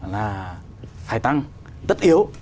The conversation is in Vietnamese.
là phải tăng tất yếu